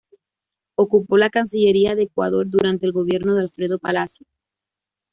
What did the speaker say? Ocupó la cancillería de Ecuador durante el gobierno de Alfredo Palacio.